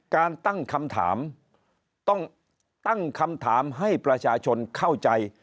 การตั้งคำถามต้องตั้งคำถามให้ประชาชนเข้าใจ